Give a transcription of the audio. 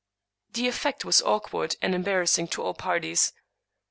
The effect was awkward and embarrassing to all parties.